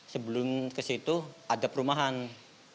sebelum kesitu ada perumahan di sana